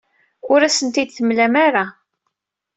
Ur asent-t-id-temlam ara.